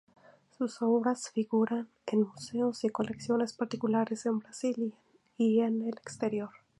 Sus obras figuran en museos y colecciones particulares en Brasil y en el exterior.